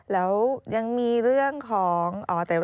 แล้วยังมีเรื่องของ